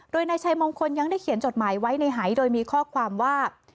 โดยนายชัยมงคลยังได้เขียนจดหมายไว้ในหายโดยมีข้อความว่า